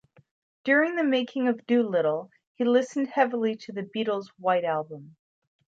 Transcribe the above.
During the making of "Doolittle" he listened heavily to the Beatles' "White Album".